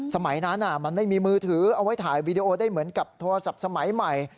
สมัยนั้นมันไม่มีมือถือเอาไว้ถ่ายวีดีโอได้เหมือนกับโทรศัพท์สมัยใหม่